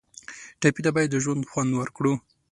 ټپي ته باید د ژوند خوند ورکړو.